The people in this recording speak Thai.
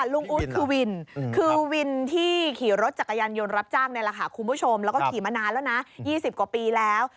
อู๊ดคือวินคือวินที่ขี่รถจักรยานยนต์รับจ้างนี่แหละค่ะคุณผู้ชมแล้วก็ขี่มานานแล้วนะ๒๐กว่าปีแล้ว